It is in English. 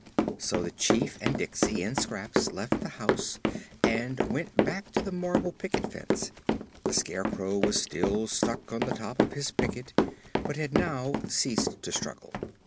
So the Chief and Diksey and Scraps left the house and went back to the marble picket fence. The Scarecrow was still stuck on the top of his picket but had now ceased to struggle.